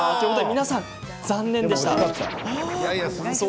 皆さん、残念でした。